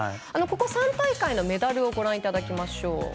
ここ３大会のメダルをご覧いただきましょう。